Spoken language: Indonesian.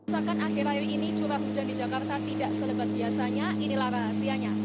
bahkan akhir akhir ini curah hujan di jakarta tidak selebat biasanya inilah rahasianya